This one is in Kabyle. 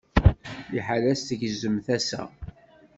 Liḥala-s tgezzem tasa.